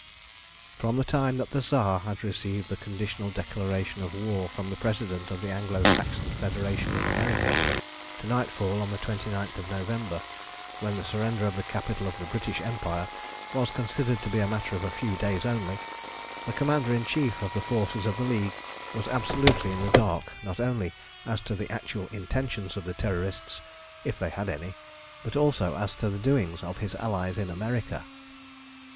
From the time that the Tsar had received the conditional declaration of war from the President of the Anglo Saxon Federation in America to nightfall on the 29th of November, when the surrender of the capital of the British Empire was considered to be a matter of a few days only, the Commander in Chief of the forces of the League was absolutely in the dark, not only as to the actual intentions of the Terrorists, if they had any, but also as to the doings of his allies in America.